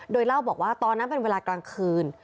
โดยเล่าบอกว่าตอนนั้นเป็นเวลากลางคืน